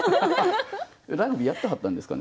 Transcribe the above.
ラグビーやってはったんですかね？